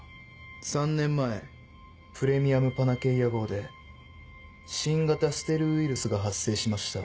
３年前プレミアム・パナケイア号で新型ステルウイルスが発生しました。